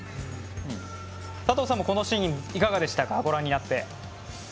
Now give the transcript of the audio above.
佐藤さん、このシーンいかがでしたか？